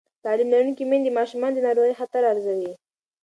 تعلیم لرونکې میندې د ماشومانو د ناروغۍ خطر ارزوي.